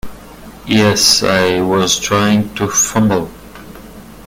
Yes, I was trying to fumble.